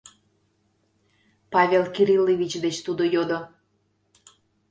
Павел Кириллович деч тудо йодо.